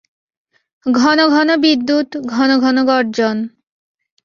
ঘন ঘন বিদ্যুৎ, ঘন ঘন গর্জন।